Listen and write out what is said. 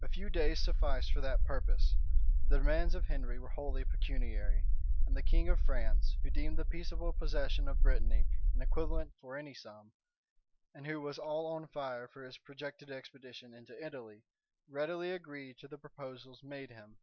A few days sufficed for that purpose: the demands of Henry were wholly pecuniary; and the king of Franco, who deemed the peaceable possession of Brittany an equivalent for any sum, and who was all on fire for his projected expedition into Italy, readily agreed to the proposals made him.